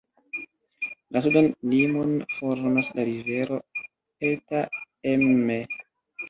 La sudan limon formas la rivero Eta Emme.